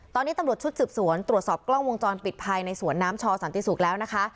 ตอนนี้ตำรวจชุดสืบสวนตรวจสอบกล้องวงจรปิดภายในสวนน้ำชอสันติศุกร์แล้วนะคะ